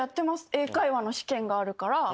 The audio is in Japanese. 英会話の試験があるから。